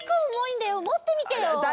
もってみてよ！